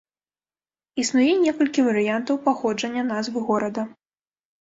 Існуе некалькі варыянтаў паходжання назвы горада.